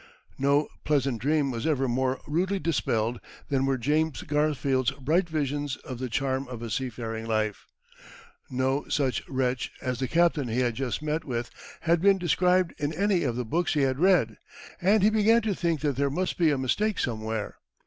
No pleasant dream was ever more rudely dispelled than were James Garfield's bright visions of the charm of a seafaring life. No such wretch as the captain he had just met with had been described in any of the books he had read, and he began to think that there must be a mistake somewhere.